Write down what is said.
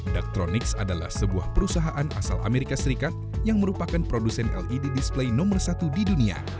daktronics adalah sebuah perusahaan asal amerika serikat yang merupakan produsen led display nomor satu di dunia